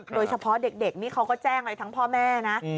โดยเฉพาะเด็กนี่เขาก็แจ้งอะไรทั้งพ่อแม่นะ